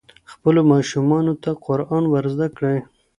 خپلو ماشومانو ته قرآن ور زده کړئ.